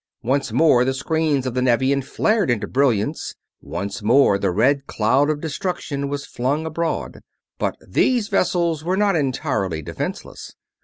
Once more the screens of the Nevian flared into brilliance, once more the red cloud of destruction was flung abroad. But these vessels were not entirely defenseless.